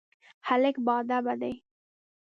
هلک باادبه دی.